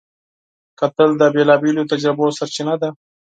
کتل د بېلابېلو تجربو سرچینه ده